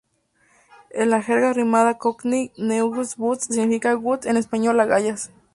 En la jerga rimada Cockney, 'Newington Butts' significa "guts", en español: "agallas".